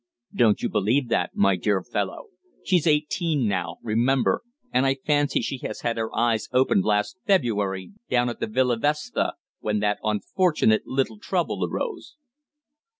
"Don't you believe that, my dear fellow. She's eighteen now, remember, and I fancy she had her eyes opened last February down at the Villa Vespa, when that unfortunate little trouble arose."